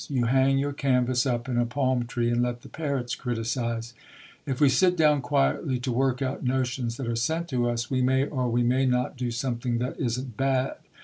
You hang your canvas up in a palm tree and let the parrots criticise." "If we sit down quietly to work out notions that are sent to us, we may or we may not do something that isn't bad.